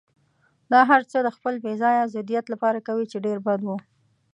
دا هرڅه د خپل بې ځایه ضدیت لپاره کوي، چې ډېر بد و.